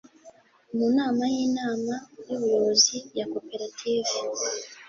mu nama y'inama y'ubuyobozi ya koperative